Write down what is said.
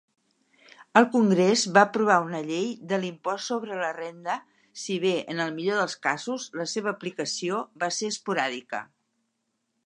El Congrés va aprovar una llei de l'impost sobre la renda, si bé, en el millor dels casos, la seva aplicació va ser esporàdica.